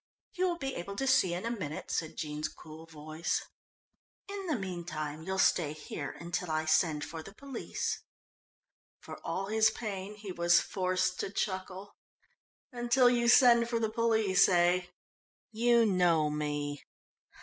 "You will be able to see in a minute," said Jean's cool voice. "In the meantime you'll stay here until I send for the police." For all his pain he was forced to chuckle. "Until you send for the police, eh? You know me?"